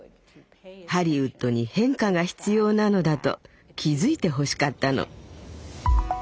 ハリウッドに変化が必要なのだと気付いてほしかったの。